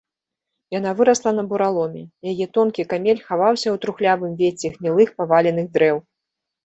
Яна вырасла на бураломе, яе тонкі камель хаваўся ў трухлявым вецці гнілых паваленых дрэў.